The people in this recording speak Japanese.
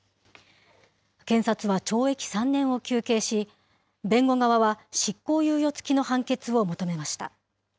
検察は懲役３年を求刑し、弁護側は執行猶予付きの判決を求めました。